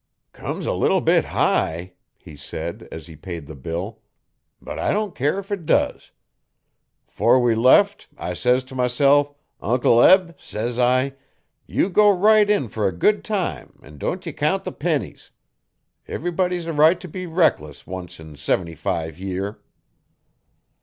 'Comes a leetle bit high,' he said, as he paid the bill, 'but I don' care if it does. 'Fore we left I says t' myself, "Uncle Eb," says I, "you go right in fer a good time an' don' ye count the pennies. Everybody's a right t' be reckless once in seventy five year."'